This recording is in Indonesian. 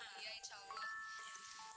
iya insya allah